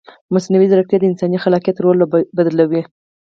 مصنوعي ځیرکتیا د انساني خلاقیت رول بدلوي.